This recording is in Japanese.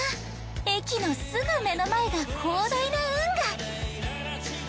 駅のすぐ目の前が広大な運河！